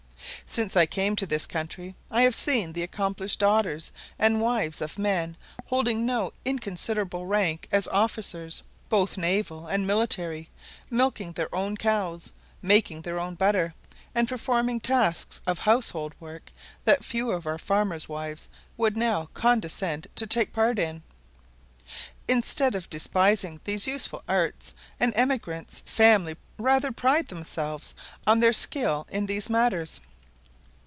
Since I came to this country, I have seen the accomplished daughters and wives of men holding no inconsiderable rank as officers, both naval and military, milking their own cows, making their own butter, and performing tasks of household work that few of our farmers' wives would now condescend to take part in. Instead of despising these useful arts, an emigrant's family rather pride themselves on their skill in these matters.